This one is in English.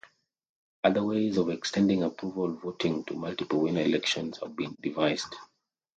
Other ways of extending Approval voting to multiple winner elections have been devised.